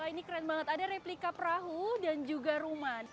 ini keren banget ada replika perahu dan juga rumah